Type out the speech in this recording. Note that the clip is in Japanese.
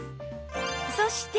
そして